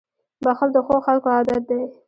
• بښل د ښو خلکو عادت دی.